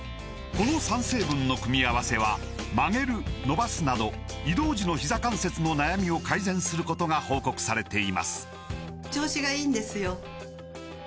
この３成分の組み合わせは曲げる伸ばすなど移動時のひざ関節の悩みを改善することが報告されています